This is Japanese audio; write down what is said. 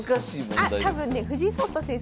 あ多分ね藤井聡太先生